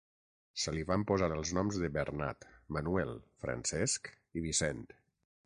Se li van posar els noms de Bernat, Manuel, Francesc i Vicent.